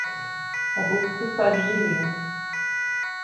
Augusto Custodio de Lima